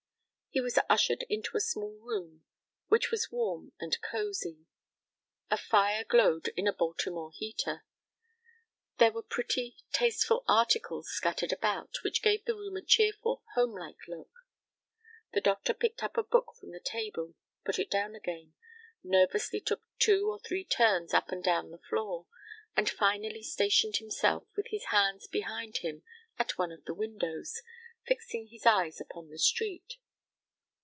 He was ushered into a small room, which was warm and cosy. A fire glowed in a Baltimore heater. There were pretty, tasteful articles scattered about, which gave the room a cheerful, homelike look. The doctor picked up a book from the table, put it down again, nervously took two or three turns up and down the floor, and finally stationed himself, with his hands behind him, at one of the windows, fixing his eyes upon the street.